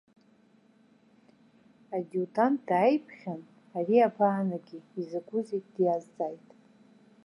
Адиутант дааиԥхьан, ари абаанагеи, изакәызеи диазҵааит.